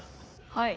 はい。